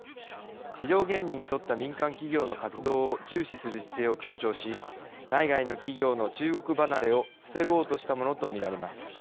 市場原理にそった民間企業の活動を重視する姿勢を強調し内外の企業の中国離れを防ごうとしたものと見られます。